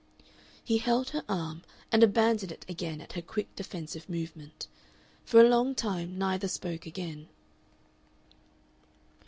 He held her arm and abandoned it again at her quick defensive movement. For a long time neither spoke again.